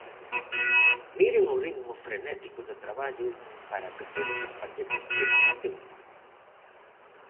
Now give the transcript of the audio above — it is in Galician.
Miren o ritmo frenético de traballo para que todos os paquetes cheguen a tempo.